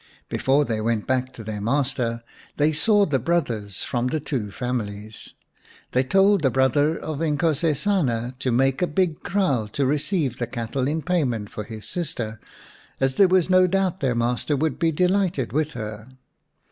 Before they went back to their master they saw the brothers from the two families. They told the brother of Inkosesana to make a big kraal to receive the cattle in payment for his sister, as there was no doubt their master would be delighted with her.